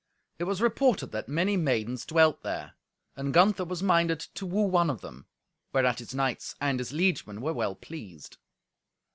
It was reported that many maidens dwelt there; and Gunther was minded to woo one of them, whereat his knights and his liegemen were well pleased.